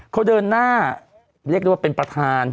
เขาเดินหน้าเรียกได้ว่าเป็นประธาน